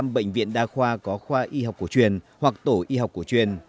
chín mươi hai bảy bệnh viện đa khoa có khoa y học cổ truyền hoặc tổ y học cổ truyền